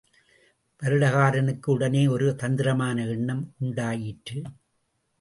வருடகாரனுக்கு உடனே ஒரு தந்திரமான எண்ணம் உண்டாயிற்று.